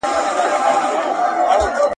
• که خس يم، د تا بس يم.